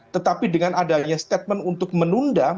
tetapi dengan adanya statement untuk menunda